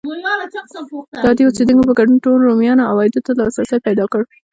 د عادي اوسېدونکو په ګډون نورو رومیانو عوایدو ته لاسرسی پیدا کړ.